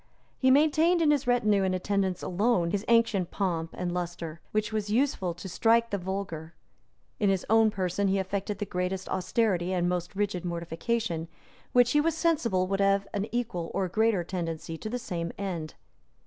He maintained, in his retinue and attendants alone, his ancient pomp and lustre, which was useful to strike the vulgar; in his own person he affected the greatest austerity and most rigid mortification, which he was sensible would have an equal or a greater tendency to the same end.